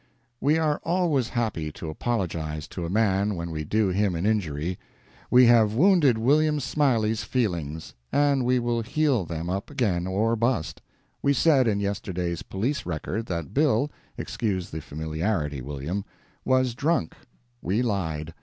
—We are always happy to apologize to a man when we do him an injury. We have wounded William Smiley's feelings, and we will heal them up again or bust. We said in yesterday's police record that Bill (excuse the familiarity, William,) was drunk. We lied.